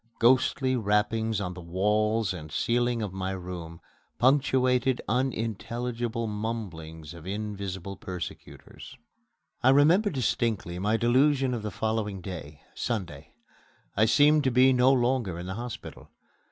Ghostly rappings on the walls and ceiling of my room punctuated unintelligible mumblings of invisible persecutors. I remember distinctly my delusion of the following day Sunday. I seemed to be no longer in the hospital.